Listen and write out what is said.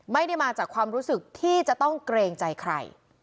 ไม่ได้มาจากความรู้สึกที่จะต้องเกรงใจใคร